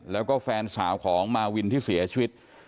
แล้วก็แฟนสาวของมาวินที่เสียชีวิต